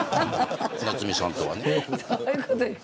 菜摘さんとはね。